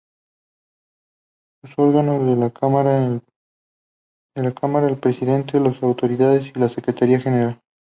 Son órganos de la Cámara el Presidente, los Auditores y la Secretaría General.